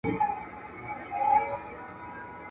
د مرغانو په کتار کي راتلای نه سې!